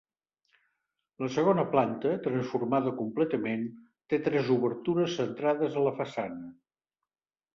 La segona planta, transformada completament, té tres obertures centrades a la façana.